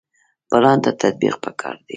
پلان نه تطبیق پکار دی